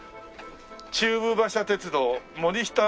「中武馬車鉄道森下駅跡」